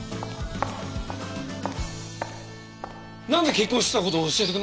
なんで結婚してた事教えてくれなかったの！？